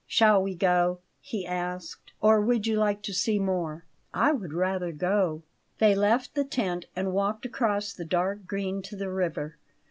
"Shall we go?" he asked; "or would you like to see more?" "I would rather go." They left the tent, and walked across the dark green to the river.